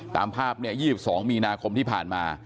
ตามภาพ๒๒มีนาคมที่ผ่านมา